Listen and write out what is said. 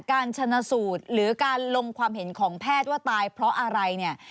การชนะสูตรหรือการลงความเห็นของแพทย์ว่าตายเพราะอะไรเนี่ย